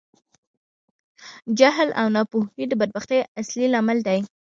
جهل او ناپوهۍ د بدبختي اصلی لامل دي.